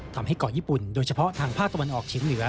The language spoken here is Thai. ทำให้เกาะญี่ปุ่นโดยเฉพาะทางภาคตะวันออกเฉียงเหนือ